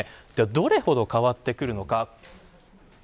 どれほど変わってくるのか。